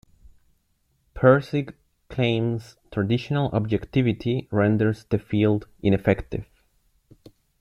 Pirsig claims traditional objectivity renders the field ineffective.